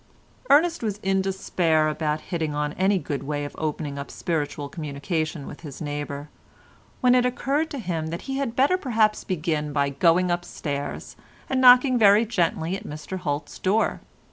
Ernest was in despair about hitting on any good way of opening up spiritual communication with his neighbour, when it occurred to him that he had better perhaps begin by going upstairs, and knocking very gently at Mr Holt's door.